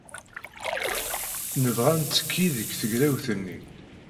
Nebɣa ad nettekki deg tegrawt-nni.